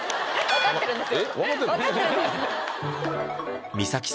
分かってるんです